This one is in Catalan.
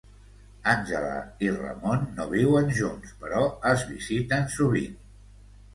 Àngela i Ramon no viuen junts però es visiten sovint.